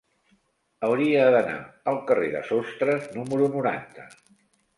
Hauria d'anar al carrer de Sostres número noranta.